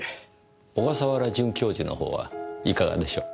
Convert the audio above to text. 小笠原准教授のほうはいかがでしょう？